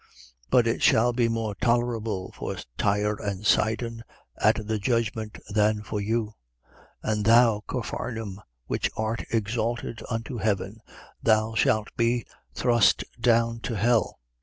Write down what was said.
10:14. But it shall be more tolerable for Tyre and Sidon at the judgment than for you. 10:15. And thou, Capharnaum, which art exalted unto heaven, thou shalt be thrust down to hell.